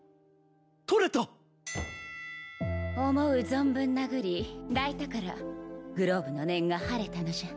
存分殴り抱いたからグローブの念が晴れたのじゃ。